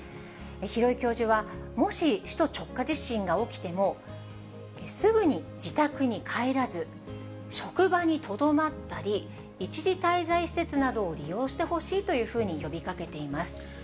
廣井教授は、もし首都直下地震が起きても、すぐに自宅に帰らず、職場にとどまったり、一時滞在施設などを利用してほしいというふうに呼びかけています。